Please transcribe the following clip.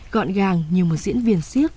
gọn gàng như một diễn viên siếc